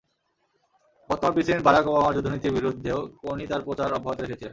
বর্তমান president Barack ওবামার যুদ্ধনীতির বিরুদ্ধেও কোনি তাঁর প্রচার অব্যাহত রেখেছিলেন।